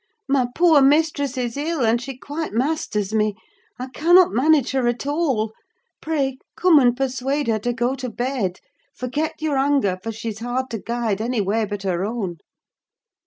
"My poor mistress is ill, and she quite masters me: I cannot manage her at all; pray, come and persuade her to go to bed. Forget your anger, for she's hard to guide any way but her own."